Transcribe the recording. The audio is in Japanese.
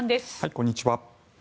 こんにちは。